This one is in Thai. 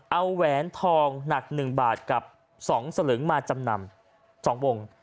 เอาแหวนทองหนัก๑บาทกับ๒สลึงมาจำนำ๒วง